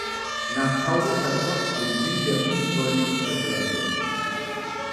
Nach Paulus hat Gott den Sinn der Ungläubigen verblendet.